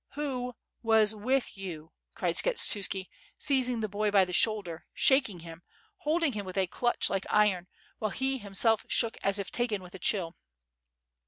"Who was with you?" cried Skshetuski, seizing the boy by the shoulder, shalang him, holding him with a clutch like iron, while he himself shook as if taken with a chill.